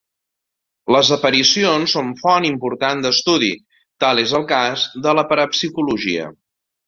Les aparicions són font important d'estudi, tal és el cas de la parapsicologia.